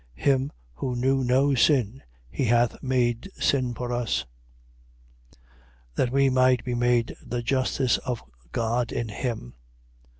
5:21. Him, who knew no sin, he hath made sin for us: that we might be made the justice of God in him.